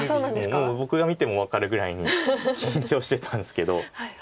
もう僕が見ても分かるぐらいに緊張してたんですけど。